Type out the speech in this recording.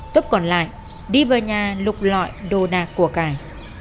cấp còn lại đi vào nhà lục lọi đồ đạc của cải